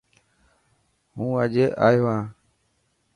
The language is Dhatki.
هو اڄ ايو هان.